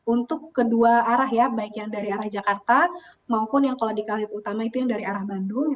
untuk kedua arah ya baik yang dari arah jakarta maupun yang kalau di kalib utama itu yang dari arah bandung